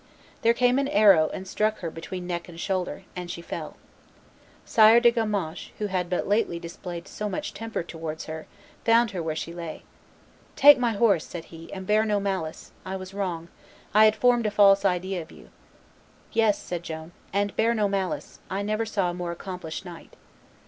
There came an arrow and struck her between neck and shoulder, and she fell. Sire de Gamaches, who had but lately displayed so much temper towards her, found her where she lay. "Take my horse," said he, "and bear no malice: I was wrong; I had formed a false idea of you." "Yes," said Joan, "and bear no malice: I never saw a more accomplished knight."